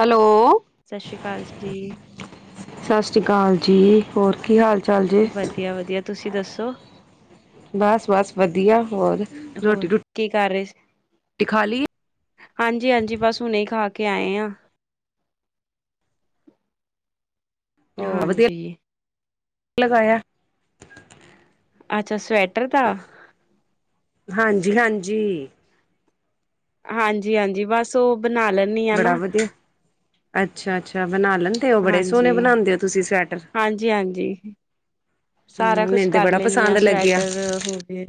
Hello ਸਸ ਸ੍ਰੀ ਕਾਲ ਜੀ। ਸਸ ਸ੍ਰੀ ਕਾਲ ਜੀ, ਹੋਰ ਕੀ ਹਾਲ ਚਾਲ ਜੇ ਵਧੀਆ-ਵਧੀਆ ਤੁਸੀਂ ਦੱਸੋ। ਬਸ-ਬਸ ਵਧੀਆ ਹੋਰ ਹੋਰ ਰੋਟੀ ਰੂ ਕੀ ਕਰ ਰਹੇ ਸੀ? ਟੀ ਖਾ ਲਈ ਏ। ਹਾਂਜੀ-ਹਾਂਜੀ ਬਸ ਹੁਣੇ ਹੀ ਖਾ ਕੇ ਆਏ ਹਾਂ। ਹੋ ਵਧੀਆ ਹਾਂਜੀ ਲਗਾਇਆ। ਅੱਛਾ ਸਵੈਟਰ ਦਾ। ਹਾਂਜੀ-ਹਾਂਜੀ ਹਾਂਜੀ-ਹਾਂਜੀ ਬਸ ਉਹ ਬਣਾ ਲੈ ਬੜਾ ਵਧੀਆ ਅੱਛਾ-ਅੱਛਾ ਬਣਾ ਲੈਣ ਦੇ ਉਹ ਬੜੇ ਸੋਹਣੇ ਹਾਂਜੀ, ਬਣਾਦੇ ਹੋ ਤੁਸੀਂ ਸਵੈਟਰ। ਹਾਂਜੀ-ਹਾਂਜੀ ਸਾਰਾ ਹਮ ਕੁਛ ਮੈਨੂੰ ਤੇ ਕਰ ਬੜਾ ਲੈਂਨੀ ਆ ਪਸੰਦ ਲੱਗਿਆ। ਸਵੈਟਰ ਹੋ ਗਏ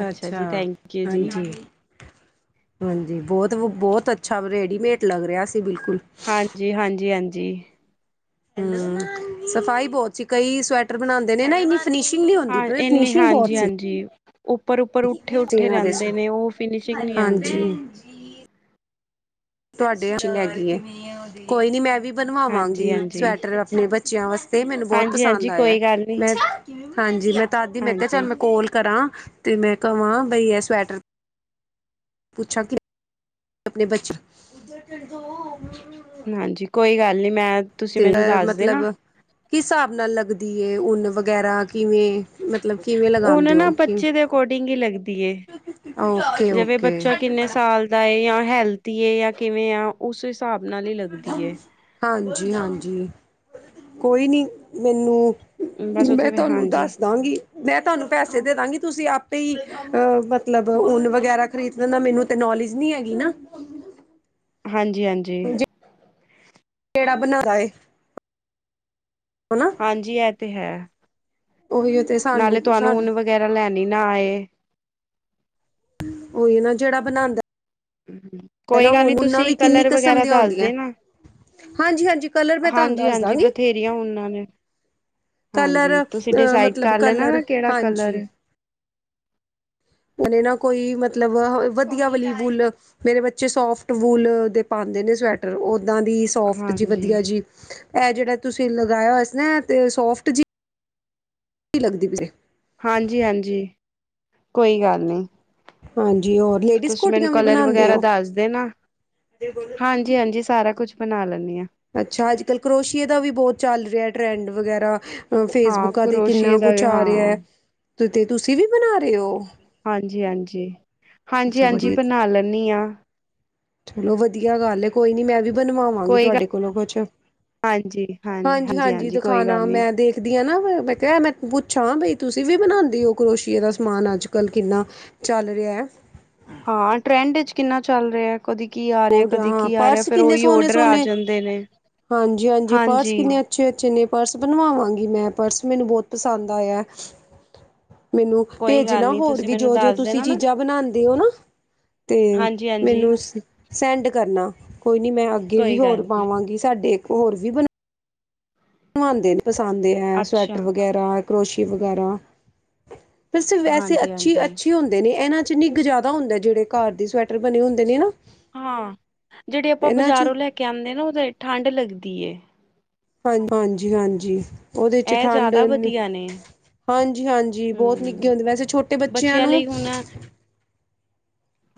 ਅੱਛਾ ਜੀ ਥੈਂਕ ਯੂ ਜੀ। ਹਾਂਜੀ। ਹਾਂਜੀ ਬੌਤ-ਬੌਤ ਅੱਛਾ ਰੇਡੀਮੇਟ ਲੱਗ ਰਿਹਾ ਸੀ ਬਿਲਕੁਲ। ਜੀ ਹਾਂਜੀ-ਹਾਂਜੀ। ਹਮ ਸਫ਼ਾਈ ਬਹੁਤ ਸੀ ਕਈ ਸਵੈਟਰ ਬਣਾਉਂਦੇ ਨੇ ਨਾ ਇਨੀ ਫਿਨਿਸ਼ਗ ਨੀ ਹੁੰਦੀ ਫਿਨਿਸ਼ਿੰਗ ਬਹੁਤ ਸੀ। ਜੀ ਉੱਪਰ ਉਪ ਤੇਰਾ ਦੇ ਸੀ ਨੀ ਆਂਦੀ ਹਾਂਜੀ। ਤੁਹਾਡੇ ਹਾ ਚ ਹੈਗੀ ਕੋਈ ਨੀ ਮੈਂ ਵੀ ਬਣਵਾਵਾਂਗੀ ਹਾਂਜੀ-ਹਾਂਜੀ, ਸਵੈਟਰ ਆਪਣੇ ਬੱਚਿਆਂ ਵਾਸਤੇ ਮੈਨੂੰ ਬਹੁਤ ਹਾਂਜੀ-ਹਾਂਜੀ ਪਸੰਦ ਆਇਆ। ਕੋਈ ਗੱਲ ਨੀ ਮੈਂ ਹਾਂਜੀ ਮੈਂ ਤਦ ਮੈਂ ਕਿਹਾ ਹਾਂਜੀ ਚੱਲ ਮੈਂ ਕੋਲ ਕਰਾਂ। ਤੇ ਮੈਂ ਕਵਾ ਬਈ ਇਹ ਸਵੈਟਰ ਪੁੱਛਾਂ ਕਿ [inaudible] ਆਪਣੇ ਬੱਚਿਆ ਹਾਂਜੀ ਕੋਈ ਗੱਲ ਨੀ ਮੈਂ ਤੁਸੀਂ ਤੇ ਮੈਨੂੰ ਦੱਸ ਮਤਲਬ ਦੇਣਾ ਕਿਸ ਹਸਾਬ ਨਾਲ ਲੱਗਦੀ ਉਨ ਵਗੈਰਾ ਕਿਵੇਂ ਮਤਲਬ ਕਿਵੇਂ ਉਹ ਲਗਾਉਂਦੇ ਨਾ ਹੋ ਕਿ ਬੱਚੇ ਦੇ ਅਕੋਰਡਿੰਗ ਹੀ ਲੱਗਦੀ ਐ ਓਕੇ ਜਿਵੇਂ ਓਕੇ ਬੱਚਾ ਕਿੰਨੇ ਸਾਲ ਦਾ ਐ ਯਾ ਹੈਲਦੀ ਐ ਯਾ ਕਿਵੇਂ ਆ ਉਸ ਹਿਸਾਬ ਨਾਲ ਹੀ ਲੱਗਦੀ ਐ। ਹਾਂਜੀ-ਹਾਂਜੀ ਕੋਈ ਨੀ ਮੈਨੂੰ ਬਸ ਮੈਂ ਉਥੇ ਤੁਹਾਨੂੰ ਹਾਂਜੀ ਦੱਸ ਦਾਂਗੀ। ਮੈਂ ਤੁਹਾਨੂੰ ਪੈਸੇ ਦੇ ਦਾਂਗੀ ਤੁਸੀਂ ਆਪੇ ਹੀ ਅਹ ਮਤਲਬ ਉਨ ਵਗੈਰਾ ਖਰੀਦਣ ਲੈਣਾ ਮੈਨੂੰ ਤੇ ਨੌਲੇਜ ਨੀ ਹੈਗੀ ਨਾ। ਹਾਂਜੀ-ਹਾਂਜੀ। ਕਿਹੜਾ ਬਣਾਦਾ ਏ। ਹੈ ਨਾ ਹਾਂਜੀ, ਐ ਤੇ ਹੈ ਉਹੀ ਤੇ ਸਾਨੂੰ ਨਾਲੇ ਤੁਹਾਨੂੰ ਸਾਨੂੰ ਉਨ ਵਗੈਰਾ, ਲੈਣੀ ਨਾ ਆਏ। ਓ ਨਾ ਜਿਹੜਾ ਬਣਾਂਦਾ। ਕੋਈ ਗੱਲ ਨੀ, ਤੁਸੀਂ ਵੀ ਕਿੰਨੀ ਕਲਰ ਕਿਸਮ ਵਗੈਰਾ ਦੀਆਂ ਦੱਸ ਹੁੰਦੀਆਂ ਦੇਣਾ। ਹਾਂਜੀ ਹਾਂਜੀ ਕਲਰ ਮੈਂ ਤੁਹਾਨੂੰ ਦੱਸ ਹਾਂਜੀ-ਹਾਂਜੀ ਦਾਂਗੀ ਬਥੇਰੀਆਂ ਓਨਾਂ ਨੇ। ਹਾਂਜੀ ਕਲਰ ਤੁਸੀਂ ਅ ਡਿਸਾਈਡ ਮਤਲਬ ਕਰ ਲੈਣਾ, ਕਲਰ ਨਾ ਕਿਹੜਾ ਹਾਂਜੀ ਕਲਰ ਕਨੇ ਨਾ ਕੋਈ ਮਤਲਬ, ਵਧੀਆ ਵਾਲੀ ਬੁੱਲ ਮੇਰੇ ਬੱਚੇ ਸੋਫਟ ਵੂਲ ਦੇ ਪਾਂਦੇ ਨੇ, ਸਵੈਟਰ ਓਦਾਂ ਦੀ ਸੋਫਟ ਜੀ ਹਾਂਜੀ ਵਧੀਆ ਜੀ, ਐ ਜੇੜਾ ਤੁਸੀਂ ਲਗਾਇਆ ਹੋਇਆ ਸੀ ਨਾ ਤੇ ਓ ਸੋਫਟ ਜੀ ਸੀ ਲੱਗਦੀ ਪਈ ਐ। ਹਾਂਜੀ-ਹਾਂਜੀ ਕੋਈ ਗੱਲ ਨੀ। ਹਾਂਜੀ ਹੋਰ। ਲੇਡੀਜ਼ ਤੁਸੀਂ ਮੈਨੂੰ ਕੋਟੀਆਂ ਵੀ ਕਲਰ ਬਣਾਉਂਦੇ ਵਗੈਰਾ ਹੋ ਦੱਸਦੇ ਨਾ, ਹਾਂਜੀ-ਹਾਂਜੀ ਸਾਰਾ ਕੁਛ ਬਣਾ ਲੈਂਣੀ ਆਂ। ਅੱਛਾ, ਅੱਜ ਕੱਲ੍ਹ ਕਰੋਸ਼ੀਏ ਦਾ ਵੀ ਬਹੁਤ ਚੱਲ ਰਿਆ ਟਰੈਂਡ ਵਗੈਰਾ। ਹਾਂ ਫੇਸਬੁੱਕਾਂ ਤੇ ਕਰੋਸ਼ੀਏ ਕਿੰਨਾ ਦਾ ਕੁਛ ਵੀ, ਆ ਰਿਆ ਹਾਂ ਤੇ ਤੇ ਤੁਸੀਂ ਵੀ ਬਣਾ ਰਹੇ ਓ। ਹਾਂਜੀ-ਹਾਂਜੀ। ਹਾਂਜੀ-ਹਾਂਜੀ ਬੜੀ ਬਣਾ ਲੈਂਣੀ ਆਂ। ਚਲੋ ਵਧੀਆ ਗੱਲ ਐ, ਕੋਈ ਨੀ ਮੈਂ ਵੀ ਬਣਵਾਂਵਾਗੀ ਕੋਈ ਤੁਹਾਡੇ ਗੱਲ ਕੋਲੋਂ ਕੁਛ ਹਾਂਜੀ ਹਾਂਜੀ ਹਾਂਜੀ ਹਾਂਜੀ-ਹਾਂਜੀ ਹਾਂਜੀ ਕੋਈ ਗੱਲ ਦਿਖਾਣਾ ਨਹੀਂ ਮੈਂ ਦੇਖ ਦੀਆਂ ਨਾ ਮੈਂ ਕਿਹਾ, ਮੈਂ ਪੁੱਛਾਂ ਬਈ ਤੁਸੀਂ ਵੀ ਬਣਾਉਦੇ ਹੋ। ਕਰੋਸੀ਼ਏ ਦਾ ਸਮਾਨ ਅੱਜ ਕੱਲ ਕਿੰਨਾ ਚੱਲ ਰਿਐ। ਹਾਂ, ਟਰੈਂਡ ਵਿੱਚ ਕਿੰਨਾ ਚੱਲ ਰਿਹਾ। ਕਦੇ ਕੀ ਆ ਹੋਰ ਰਿਹਾ-ਕਦੇ ਹਾਂ ਕੀ ਆ ਰਿਹਾ, ਪਰਸ ਫੇਰ ਕਿੰਨੇ ਉਹੀ ਔਡਰ ਆ ਸੋਹਣੇ-ਸੋਹਣੇ ਜਾਂਦੇ ਨੇ। ਹਾਂਜੀ-ਹਾਂਜੀ ਪਰਸ ਹਾਂਜੀ ਕਿੰਨੇ ਅੱਛੇ-ਅੱਛੇ ਨੇ ਪਰਸ ਬਣਵਾਵਾਂਗੀ, ਮੈਂ ਪਰਸ ਮੈਨੂੰ ਬਹੁਤ ਪਸੰਦ ਆਇਆ। ਮੈਨੂੰ ਕੋਈ ਗੱਲ ਭੇਜਣਾ ਨਹੀਂ ਹੋਰ ਤੁਸੀਂ ਵੀ, ਮੈਨੂੰ ਜੋ ਜੋ ਦੱਸ ਤੁਸੀਂ ਦੇਣਾ ਨਾ ਚੀਜ਼ਾਂ ਬਣਾਂਦੇ ਓ ਨਾ। ਤੇ ਹਾਂਜੀ ਹਾਂਜੀ ਮੈਨੂੰ ਸੈਂਡ ਕਰਨਾ। ਕੋਈ ਨੀ ਮੈਂ ਅੱਗੇ ਵੀ ਕੋਈ ਗੱਲ ਹੋਰ ਨਹੀਂ ਪਾਵਾਂਗੀ, ਸਾਡੇ ਇੱਕ ਹੋਰ ਵੀ ਬ ਮੈਨੂੰ ਪਸੰਦ ਐ, ਅੱਛਾ ਸਵੈਟਰ ਵਗੈਰਾ ਕਰੋਸ਼ੀ ਵਗੈਰਾ। ਵਸ ਵੈਸੇ ਹਾਂਜੀ ਅੱਛੀ ਹਾਂਜੀ ਅੱਛੇ ਹੁੰਦੇ ਨੇ ਇਹਨਾਂ ਚ ਨਿੱਘ ਜਿਆਦਾ ਹੁੰਦਾ। ਜਿਹੜੇ ਘਰ ਸਵੈਟਰ ਬਣੇ ਹੁੰਦੇ ਨੇ ਨਾ। ਹਾਂ, ਜੇੜੇ ਆਪਾਂ ਇਹਨਾਂ ਚ ਬਾਜ਼ਾਰੋਂ ਲੈ ਕੇ ਆਂਦੇ ਨਾ, ਓਦੇ ਚ ਤਾਂ ਠੰਢ ਲੱਗਦੀ ਏ। ਹਾਂ ਹਾਂਜੀ-ਹਾਂਜੀ ਉਦੇ ਚ ਇਹ ਠੰਡ ਜ਼ਿਆਦਾ ਵਧੀਆ ਨੇ ਹਾਂਜੀ-ਹਾਂਜੀ ਬਹੁਤ ਨਿੱਘੇ ਹੂੰ ਹੁੰਦੇ, ਵੈਸੇ ਛੋਟੇ ਬੱਚਿਆਂ ਨੂੰ ਲਈ ਹੁਣ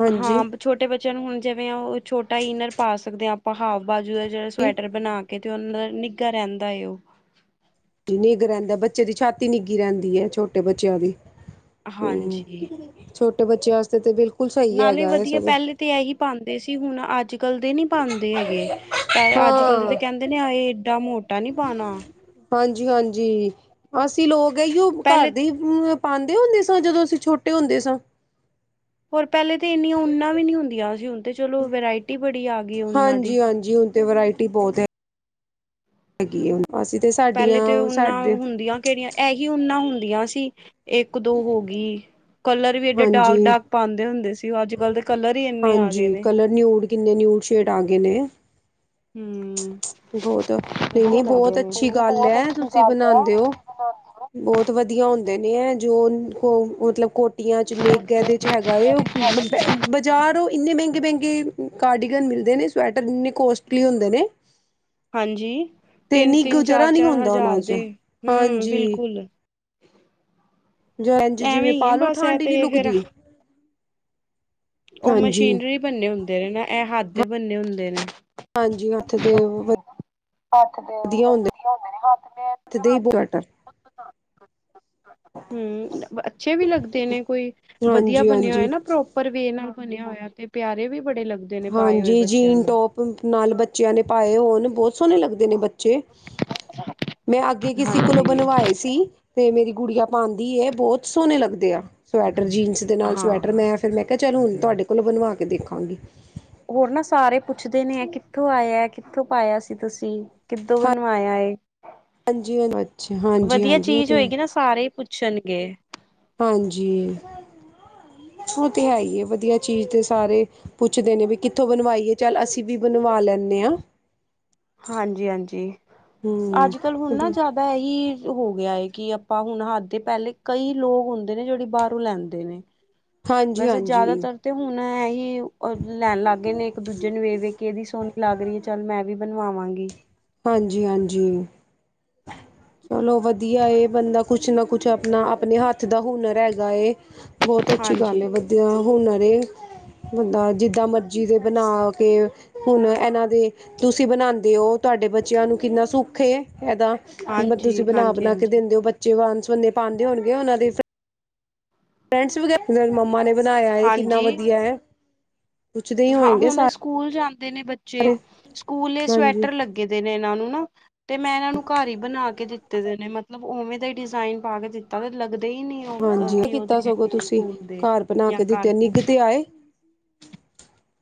ਹਾਂਜੀ ਹਾਂ, ਛੋਟੇ ਬੱਚਿਆਂ ਨੂੰ ਹੁਣ, ਜਿਵੇਂ ਆ ਉਹ ਛੋਟਾ ਹੀ ਈਨਰ ਪਾ ਸਕਦੇ ਹਾ। ਹਾਫ ਬਾਜੂ ਦਾ ਜਿਹੜਾ ਸਵੈਟਰ ਬਣਾ ਕੇ ਤੇ ਉਨਾਂ ਦਾ ਨਿੱਘਾ ਰਹਿੰਦਾ ਏ ਉਹ। ਨਿੱਘ ਰਹਿੰਦਾ। ਬੱਚੇ ਦੀ ਛਾਤੀ ਨਿੱਘੀ ਰਹਿੰਦੀ ਐ ਛੋਟੇ ਬੱਚਿਆਂ ਦੀ। ਹੂੰ ਹਾਂਜੀ ਛੋਟੇ ਬੱਚਿਆਂ ਵਾਸਤੇ ਤੇ ਬਿੱਲਕੁਲ ਸਹੀ ਨਾਲੇ ਹੈਗਾ। ਇਹ ਵਧੀਆ ਸਗੋਂ। ਪਹਿਲੇ ਤੇ ਇਹੀ ਪਾਂਦੇ ਸੀ। ਹੁਣ ਅੱਜ ਅੱਜਕਲ੍ਹ ਦੇ ਨੀ ਪਾਂਦੇ ਹੈਗੇ, ਪੈ ਅੱਜਕਲ੍ਹ ਦੇ ਹਾਂ ਤਾਂ ਕਹਿੰਦੇ ਨੇ ਹਾਏ ਏਡਾ ਮੋਟਾ ਨੀ ਪਾਂਣਾ। ਹਾਂਜੀ-ਹਾਂਜੀ ਅਸੀਂ ਲੋਕ ਇੳ ਘਰ ਪਹਿਲੇ ਦੇ ਪਾਂਦੇ ਹੁੰਦੇ ਸਾਂ। ਜਦੋਂ ਅਸੀਂ ਛੋਟੇ ਹੁੰਦੇ ਸਾਂ। ਹੋਰ ਪਹਿਲੇ ਤਾਂ ਇੰਨੀਆਂ ਊਨਾ ਵੀ ਨਹੀਂ ਹੁੰਦੀਆਂ ਸੀ। ਹੁਣ ਤੇ ਚਲੋ ਵਰਾਇਟੀ ਬੜੀ ਆ ਗਈ ਊਨਾਂ ਦੀ। ਹਾਂਜੀ ਹਾਂਜੀ ਹੁਣ ਤੇ ਵਰਾਇਟੀ ਬਹੁਤ ਹੈ। ਹੈਗੀ ਹੈ, ਅਸੀਂ ਤੇ ਪਹਿਲੇ ਤੇ ਸਾਡੀਆਂ ਊਨਾ ਸਾਡੇ ਹੁੰਦੀਆਂ ਕਿਹੜੀਆਂ ਐਹੀ ਊਨਾ ਹੁੰਦੀਆਂ ਸੀ। ਇੱਕ ਦੋ ਹੋਗੀ ਕਲਰ ਵੀ ਏਡੇ ਹਾਂਜੀ ਡਾਰਕ-ਡਾਰਕ ਪਾਂਦੇ ਹੁੰਦੇ ਸੀ, ਉਹ ਅੱਜਕਲ੍ਹ ਦੇ ਕਲਰ ਹੀ ਇੰਨੇ ਆ ਗਏ ਜੀ ਨੇ ਕਲਰ ਨਿਊਡ ਕਿੰਨੇ ਨਿਊਟ ਸ਼ੇਡ ਆ ਗਏ ਨੇ। ਹੂੰ ਬਹੁਤ ਨਹੀਂ-ਨਹੀਂ ਬਹੁਤ ਅੱਛੀ ਗੱਲ ਬਹੁਤ ਹੈ ਅੱਛੀ ਤੁਸੀਂ ਗੱਲ ਹੈ ਬਨਾਦੇ ਹੋ। ਬਹੁਤ ਵਧੀਆ ਹੁੰਦੇ ਨੇ ਹੈ ਜੋ ਕੋ ਮਤਲਬ ਕੋ ਜਾ ਇਹਦੇ 'ਚ ਨੀਘ ਐਦੇ ਹੈਗਾ ਉਹ ਬ ਬਜ਼ਾਰ ਉਹ ਇੰਨੇ ਮਹਿੰਗੇ-ਮਹਿੰਗੇ ਕਾਰਡੀਗਨ ਮਿਲਦੇ ਨੇ ਸਵੈਟਰ ਇੰਨੇ ਕੋਸਟਲੀ ਹੁੰਦੇ ਨੇ। ਹਾਂਜੀ ਤੇ ਇੰਨੀ ਤਿੰਨ-ਤਿੰਨ ਗੁਜ਼ਾਰਾ ਨਹੀਂ ਚਾਰ-ਚਾਰ ਹੁੰਦਾ ਉਹਨਾਂ ਹਜ਼ਾਰ ਦੇ ਚ ਹੂੰ ਹਾਂਜੀ ਬਿਲਕੁਲ ਏਂਜ ਐਵੇਂ ਜਿਵੇਂ ਹੀ ਹੈ ਪਾਲੋ ਬਸ ਇਹ ਠੰਡ ਹੀ ਨੀ ਤੇ ਫੇਰ ਲੁਕਦੀ। ਉਹ ਹਾਂਜੀ ਮਸ਼ੀਨਰੀ ਬੰਨੇ ਹੁੰਦੇ ਨੇ ਨਾ ਇਹ ਹਥ ਬੰਨੇ ਹੁੰਦੇ ਨੇ। ਹਾਂਜੀ ਉਥੇ ਤੇ ਹਾਂਜੀ ਵ ਹੱਥ ਤੇ ਬਣੇ ਹੁੰਦੇ ਨੇ ਦੇ ਹੀ ਹੱਥ ਸਵੈਟਰ ਹੂੰ ਅੱਛੇ ਵੀ ਲੱਗਦੇ ਨੇ ਕੋਈ ਵਧੀਆ ਹਾਂਜੀ ਬਣਿਆ ਹੈ ਹਾਂਜੀ ਨਾ ਪ੍ਰੋਪ ਉਪਰ ਵੀ ਇਹ ਨਾਲ ਬਣਿਆ ਹੋਇਆ ਤੇ ਪਿਆਰੇ ਵੀ ਬੜੇ ਲੱਗਦੇ। ਨੇ ਪਾਏ ਹੋਏ ਹਾਂਜੀ ਬੱਚਿਆਂ ਜੀਨ ਨੂੰ ਟੋਪ ਨਾਲ ਬੱਚਿਆਂ ਨੇ ਪਾਏ ਹੋਣ ਬਹੁਤ ਸੋਹਣੇ ਲੱਗਦੇ ਨੇ ਬੱਚੇ ਮੈਂ ਅੱਗੇ ਕਿਸੇ ਕੋਲੋਂ ਹਾਂਜੀ ਬਣਵਾਏ ਸੀ ਤੇ ਮੇਰੀ ਗੁੜਿਆ ਪਾਂਦੀ ਏ ਬਹੁਤ ਸੋਹਣੇ ਲੱਗਦੇ ਆ ਸਵੈਟਰ ਜੀਨਸ ਦੇ ਨਾਲ ਸਵੈਟਰ ਹਾਂ। ਮੈਂ ਫਿਰ ਮੈਂ ਕਿਹਾ ਚੱਲ ਹੁਣ ਤੁਹਾਡੇ ਕੋਲੋਂ ਬਣਵਾ ਕੇ ਦੇਖਾਂਗੀ। ਹੋਰ ਨਾ ਸਾਰੇ ਪੁੱਛਦੇ ਨੇ ਇਹ ਕਿੱਥੋਂ ਆਇਆ ਇਹ ਕਿਥੋਂ ਪਾਇਆ ਸੀ ਤੁਸੀ ਕਿੱਦੋ ਬਣਵਾਇਆ ਏ। ਹਾਂਜੀ ਅੱਛਾ ਵਧੀਆ ਹਾਂਜੀ-ਹਾਂਜੀ ਉਹ ਚੀਜ਼ ਤੇ ਹੈ। ਹੋਏਗੀ ਨਾ ਸਾਰੇ ਪੁੱਛਣਗੇ। ਹਾਂਜੀ ਉਹ ਤੇ ਹੈ ਹੀ ਵਧੀਆ ਚੀਜ਼ ਤੇ ਸਾਰੇ ਪੁੱਛਦੇ ਨੇ ਵੀ ਕਿੱਥੋਂ ਬਨਵਾਈ ਏ ਚੱਲ ਅਸੀਂ ਵੀ ਬਣਵਾ ਲੈਂਨੇ ਆ। ਹਾਂਜੀ-ਹਾਂਜੀ ਅੱਜ ਕਲ ਹੁਣ ਨਾ ਵਧੀਆ ਜ਼ਿਆਦਾ ਇਹੀ ਹੋ ਗਿਆ ਹੈ ਕਿ ਆਪਾਂ ਹੁਣ ਹੱਥ ਦੇ ਪਹਿਲੇ ਕਈ ਲੋਕ ਹੁੰਦੇ ਨੇ ਜਿਹੜੀ ਬਾਹਰੋਂ ਲੈਂਦੇ ਨੇ। ਹਾਂਜੀ ਵੈਸੇ ਹਾਂਜੀ ਜ਼ਿਆਦਾਤਰ ਤੇ ਹੁਣ ਏਹ ਹੀ ਲੈਣ ਲੱਗ ਗਏ ਨੇ ਇੱਕ ਦੂਜੇ ਨੂੰ ਵੇਖ-ਵੇਖ ਕੇ ਇਹਦੀ ਸੋਹਣੀ ਲੱਗ ਰਹੀ ਹੈ ਚੱਲ ਮੈਂ ਵੀ ਬਣਵਾਵਾਂਗੀ। ਜੀ ਹਾਂਜੀ। ਚਲੋ ਵਧੀਆ ਏ ਬੰਦਾ ਕੁਛ ਨਾ ਕੁਛ ਆਪਣਾ ਆਪਣੇ ਹੱਥ ਦਾ ਹੁਨਰ ਹੈਗਾ ਏ। ਬਹੁਤ ਅੱਛੀ ਗੱਲ ਹਾਂਜੀ ਏ ਵਧੀਆ ਹੁਨਰ ਏ। ਬੰਦਾ ਜਿੱਦਾਂ ਮਰਜ਼ੀ ਦੇ ਬਣਾ ਕੇ ਹੁਣ ਇਹਨਾਂ ਦੇ ਤੁਸੀਂ ਬਣਾਂਦੇ ਹੋ ਤੁਹਾਡੇ ਬੱਚਿਆਂ ਨੂੰ ਕਿੰਨਾ ਸੁੱਖ ਏ ਇਹਦਾ ਤੁਸੀਂ ਹਾਂਜੀ ਹਾਂਜੀ ਬਣਾ-ਬਣਾ ਕੇ ਹਾਂਜੀ ਦਿੰਦੇ ਹੋ ਬੱਚੇ ਵੰਨ ਸੁਵੰਨੇ ਪਾਂਦੇ ਹੋਣਗੇ ਉਹਨਾਂ ਦੇ ਫਰੈਂਡਜ ਵਗੈਰਾ [inaudible] ਮੰਮਾ ਨੇ ਬਣਾਇਆ ਏ ਕਿੰਨਾ ਹਾਂਜੀ ਵਧੀਆ ਏ। ਹਾਂ ਹੁਣ ਸਕੂਲ ਜਾਂਦੇ ਨੇ ਬੱਚੇ ਸਕੂਲ ਏ ਹਾਂਜੀ ਸਵੈਟਰ ਲੱਗੇ ਦੇ ਨੇ ਇਹਨਾਂ ਨੂੰ ਨਾ ਤੇ ਮੈਂ ਇਹਨਾਂ ਨੂੰ ਘਰ ਹੀ ਬਣਾ ਕੇ ਦਿੱਤੇ ਦੇ ਨੇ ਮਤਲਬ ਉਵੇਂ ਦਾ ਹੀ ਡਿਜ਼ਾਇਨ ਪਾ ਕੇ ਦਿੱਤਾ ਦਾ ਤੇ ਲੱਗਦੇ ਹੀ ਨਹੀਂ ਏ। ਉਹ ਹਾਂਜੀ ਕੀ ਉਹਦੇ ਕੀਤਾ ਸਗੋਂ ਹੈਗੇ ਆ ਤੁਸੀਂ ਸਕੂਲ ਦੇ ਘਰ ਬਣਾ ਜਾਂ ਕੇ ਘਰ ਦਿੱਤੇ ਦੇ ਨਿੱਘ ਤੇ ਆਏ।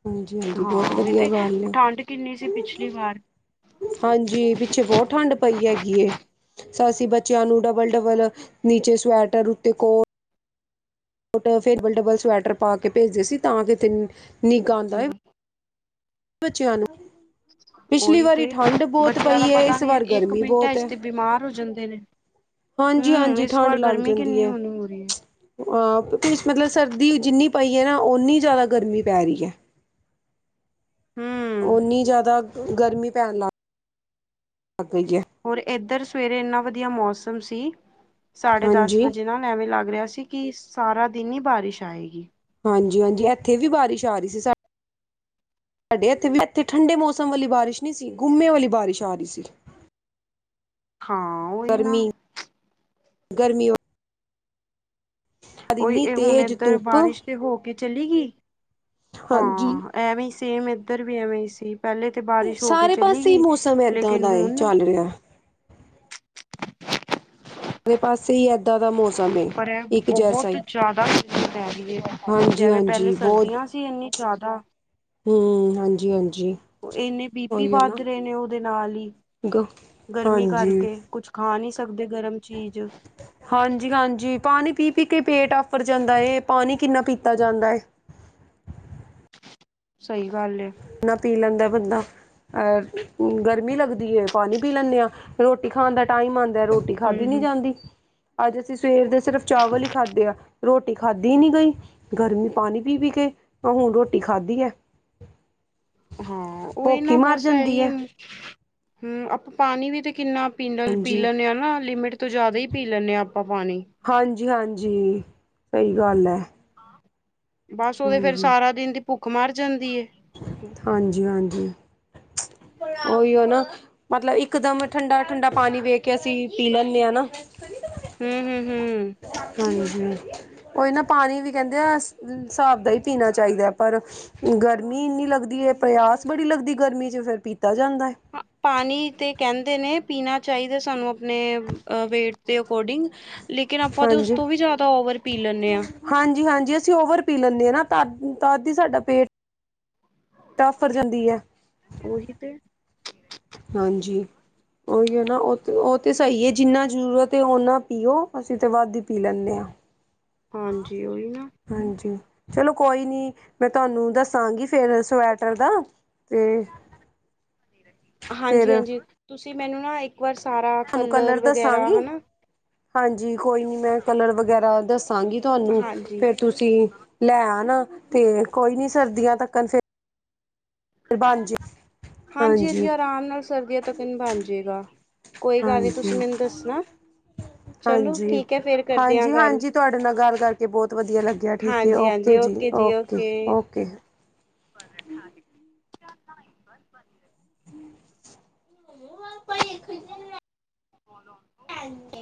ਹਾਂਜੀ ਹਾਂਜੀ ਹਾਂ ਬਹੁਤ ਉਹੀ ਵਧੀਆ ਤੇ ਗੱਲ ਏ ਠੰਡ ਕਿੰਨੀ ਸੀ ਪਿਛਲੀ ਵਾਰ ਹਾਂਜੀ ਪਿੱਛੇ ਬਹੁਤ ਠੰਡ ਪਈ ਹੈਗੀ ਏ। ਅਸੀ ਬੱਚਿਆਂ ਨੂੰ ਡਬਲ-ਡਬਲ ਨੀਚੇ ਸਵੈਟਰ ਉਤੇ ਕੋਟ ਬੱਟ ਫਿਰ ਡਬਲ-ਡਬਲ ਸਵੈਟਰ ਪਾ ਕੇ ਭੇਜਦੇ ਸੀ ਤਾਂ ਕਿਥੇ ਨਿੱਘ ਆਂਦਾ ਹਮ ਏ। ਬੱਚਿਆਂ ਨੂੰ ਪਿਛਲੀ ਉਹੀ ਵਾਰੀ ਤੇ ਠੰਢ ਬਹੁਤ ਬੱਚਿਆਂ ਦਾ ਪਈ ਏ ਪਤਾ ਇਸ ਨੀ ਵਾਰ ਇੱਕ ਗਰਮੀ ਮਿੰਟ ਬਹੁਤ ਚ ਏ। ਤੇ ਬਿਮਾਰ ਹੋ ਜਾਂਦੇ ਨੇ ਹੂੰ ਹਾਂਜੀ-ਹਾਂਜੀ ਇਸ ਠੰਢ ਵਾਰ ਲੱਗ ਗਰਮੀ ਜਾਂਦੀ ਕਿੰਨੀ ਏ। ਹੋਣੀ ਹੋ ਰਹੀ ਹੈ [inaudible] ਹਾਂ ਕੁ ਮਤਲਬ ਸਰਦੀ ਜਿੰਨੀ ਪਈ ਹੈ ਨਾ ਓਨੀ ਜ਼ਿਆਦਾ ਗਰਮੀ ਪੈ ਰਹੀ ਹੈ। ਹੂੰ ਉਨੀ ਜ਼ਿਆਦਾ ਗਰਮੀ ਪੈਣ ਲੱਗ ਗਈ ਹੈ। ਹੋਰ ਇੱਧਰ ਸਵੇਰੇ ਇੰਨਾ ਵਧੀਆ ਮੌਸਮ ਸੀ ਸਾਢੇ ਦਸ ਵਜੇ ਨਾਲ ਐਵੇਂ ਲੱਗ ਰਿਹਾ ਸੀ। ਕਿ ਸਾਰਾ ਦਿਨ ਹੀ ਬਾਰਿਸ਼ ਆਏਗੀ। ਹਾਂਜੀ-ਹਾਂਜੀ ਇੱਥੇ ਵੀ ਬਾਰਿਸ਼ ਆ ਰਹੀ ਸੀ ਸ ਸਾਡੇ ਇੱਥੇ ਵੀ ਇੱਥੇ ਠੰਡੇ ਮੌਸਮ ਵਾਲੀ ਬਾਰਿਸ਼ ਨੀ ਸੀ ਘੁੰਮੇ ਵਾਲੀ ਬਾਰਿਸ਼ ਆ ਰਹੀ ਸੀ। ਹਾਂ। ਉਹੀ ਨਾ ਗਰਮੀ, ਗਰਮੀ ਉਈ ਇੰਨੀ ਇਹ ਹੁਣ ਤੇਜ਼ ਇਧਰ ਧੁੱਪ ਬਾਰਿਸ਼ ਤੇ ਹੋ ਕੇ ਚਲੀ ਗਈ ਹਾਂਜੀ ਹਾਂ ਐਵੇਂ ਸੇਮ ਇੱਧਰ ਵੀ ਐਵੇਂ ਹੀ ਸੀ ਪਹਿਲੇ ਤੇ ਬਾਰਿਸ਼ ਹੋ ਕੇ ਸਾਰੇ ਚਲੀ ਪਾਸੇ ਹੀ ਗਈ ਮੌਸਮ ਏਦਾਂ ਲੇਕਿਨ ਦਾ ਹੁਣ [inaudible] [inaudible] ਦਾ ਮੌਸਮ ਏ ਪਰ ਇਹ ਇੱਕ ਜੈਸਾ ਬਹੁਤ ਹੀ ਜਾਦਾ [inaudible] ਪੈ ਰਹੀ ਹੈ। ਹਾਂਜੀ ਜਿਵੇਂ ਪਹਿਲੇ ਹਾਂਜੀ ਸਰਦੀਆਂ ਸੀ ਇੰਨੀ ਜਾਦਾ। ਹਉ ਹਾਂਜੀ-ਹਾਂਜੀ। ਇੰਨੇ ਬੀਪੀ ਵੱਧ ਰਹੇ ਨੇ ਉਹਦੇ ਨਾਲ ਹੀ ਗ ਗਰਮੀ ਹਾਂਜੀ ਕਰਕੇ ਕੁਛ ਖਾ ਨਹੀ ਸਕਦੇ ਗਰਮ ਚੀਜ਼। ਹਾਂਜੀ-ਹਾਂਜੀ ਪਾਣੀ ਪੀ-ਪੀ ਕੇ ਪੇਟ ਆਫ਼ਰ ਜਾਂਦਾ ਹੈ ਪਾਣੀ ਕਿੰਨਾ ਪੀਤਾ ਜਾਂਦਾ ਹੈ। ਸਹੀ ਗੱਲ ਹੇ। ਇਨਾ ਪੀ ਲੈਂਦਾ ਬੰਦਾ। ਗਰਮੀ ਲਗਦੀ ਹੈ ਪਾਣੀ ਪੀ ਲੈਨੇ ਹਾਂ ਰੋਟੀ ਖਾਣ ਦਾ ਟਾਈਮ ਆਂਦਾ ਰੋ ਟੀ ਖਾਦੀ ਨੀ ਹੂੰ-ਹੂੰ ਜਾਂਦੀ। ਅੱਜ ਅਸੀਂ ਸਵੇਰ ਦੇ ਸਿਰਫ ਚਾਵਲ ਹੀ ਖਾਧੇ ਆ ਰੋਟੀ ਖਾਧੀ ਨੀ ਗਈ। ਗਰਮੀ ਪਾਣੀ ਪੀ-ਪੀ ਕੇ ਬਸ ਹੁਣ ਰੋਟੀ ਖਾਧੀ ਹੈ। ਹਾਂ ਉਹ ਹੀ ਭੁੱਖ ਨਾ ਮਰ ਬਸ ਜਾਂਦੀ ਇਹੀ ਹੈ ਹਮ ਆਪਾਂ ਪਾਣੀ ਵੀ ਤੇ ਕਿੰਨਾ ਪੀਨਲ ਪੀ ਹਾਂਜੀ ਲੈਂਦੇ ਹਾਂ ਨਾ ਲਿਮਿਟ ਤੋਂ ਜਾਦਾ ਹੀ ਪੀ ਲੈਨੇ ਹਾ ਆਪਾ ਪਾਣੀ। ਹਾਂਜੀ-ਹਾਂਜੀ ਸਹੀ ਗੱਲ ਹੈ। ਬਸ ਉਹਦੇ ਫੇਰ ਸਾਰਾ ਦਿਨ ਦੀ ਭੁੱਖ ਮਰ ਜਾਂਦੀ ਹੇ। ਹਾਂਜੀ-ਹਾਂਜੀ ਉਹੀਓ ਨਾ। ਮਤਲਬ ਇੱਕ ਦਮ ਠੰਡਾ-ਠੰਡਾ ਪਾਣੀ ਵੇਖ ਕੇ ਅਸੀ ਪੀ ਲੈਨੇ ਹਾਂ ਨਾ। ਹੂੰ-ਹੂੰ-ਹੂੰ ਹਾਂਜੀ ਉਹੀ ਨਾ ਪਾਣੀ ਵੀ ਕਹਿੰਦੇ ਆ ਸਾਬ ਦਾ ਹੀ ਪੀਣਾ ਚਾਹੀਦਾ ਪਰ ਗ ਗਰਮੀ ਇੰਨੀ ਲੱਦੀ ਹੈ ਪਿਆਸ ਬੜੀ ਲਗਦੀ ਗਰਮੀ ਚ ਫੇਰ ਪੀਤਾ ਜਾਂਦਾ ਏ। ਪਾਣੀ ਤੇ ਕਹਿੰਦੇ ਨੇ ਪੀਣਾ ਚਾਹੀਦਾ ਸਾਨੂੰ ਆਪਣੇ ਵੇਟ ਦੇ ਅਕੋਰਡਿੰਗ। ਲੇਕਿਨ ਆਪਾਂ ਤਾਂ ਉਸ ਤੋਂ ਵੀ ਜਾਦਾ ਓਵਰ ਪੀ ਲੈਂਦੇ ਹਾਂ। ਹਾਂਜੀ-ਹਾਂਜੀ ਅਸੀਂ ਓਵਰ ਪੀ ਲੈਂਦੇ ਹਾਂ ਨਾ ਤਦ-ਤਦ ਹੀ ਸਾਡਾ ਪੇਟ ਤਾਂ ਆਫਰ ਜਾਂਦੀ ਹੈ। ਓਹੀ ਤੇ। ਹਾਂਜੀ। ਓਹੀਓ ਨਾ ਉਹ ਤੇ, ਉਹ ਤੇ ਸਹੀ ਹੈ ਜਿੰਨਾ ਜ਼ਰੂਰਤ ਹੈ ਓਨਾ ਪੀਓ ਅਸੀਂ ਤਾਂ ਵੱਧ ਹੀ ਪੀ ਲੈਨੇ ਹਾਂ। ਹਾਂਜੀ ਓਹੀ ਨਾ। ਹਾਂਜੀ ਚਲੋ ਕੋਈ ਨੀ ਮੈਂ ਤੁਹਾਨੂੰ ਦੱਸਾਂਗੀ ਫੇਰ ਸਵੈਟਰ ਦਾ। ਅਤੇ ਫਿਰ ਹਾਂਜੀ-ਹਾਂਜੀ ਤੁਸੀਂ ਮੈਨੂੰ ਨਾ ਇੱਕ ਇੱਕ ਵਾਰ ਸਾਰਾ ਤੁਹਾਨੂੰ ਕਲਰ ਵਗੈਰਾ ਦੱਸਾਂਗੀ ਹਨਾ ਹਾਂਜੀ ਕੋਈ ਨੀ ਮੈਂ ਕਲਰ ਵਗੈਰਾ ਦੱਸਾਂਗੀ ਤੁਹਾਨੂੰ ਹਾਂਜੀ। ਫੇਰ ਤੁਸੀਂ ਲੈ ਨਾ ਤੇ ਕੋਈ ਨੀ ਸਰਦੀਆਂ ਤੱਕਨ ਫ ਬਣ ਜੇ ਹਾਂਜੀ-ਹਾਂਜੀ ਹਾਂਜੀ ਆਰਾਮ ਨਾਲ ਸਰਦੀਆਂ ਤੱਕ ਨ ਬਣ ਜੇਗਾ। ਕੋਈ ਗੱਲ ਨੀ ਤੁਸੀਂ ਹਾਂਜੀ ਮੈਨੂੰ ਦੱਸਣਾ ਚਲੋ ਹਾਂਜੀ ਠੀਕ ਹੈ ਫੇਰ ਕਰਦੇ ਆ ਹਾਂਜੀ ਗੱਲ। ਹਾਂਜੀ ਤੁਹਾਡੇ ਨਾਲ ਗੱਲ ਕਰਕੇ ਬਹੁਤ ਵਧੀਆ ਲੱਗਿਆ ਠੀਕ ਹੈ ਓਕੇ ਜੀ, ਓਕੇ-ਓਕੇ। [unintelligible] [unintelligible] ਬੋਲੋ। [unintelligible]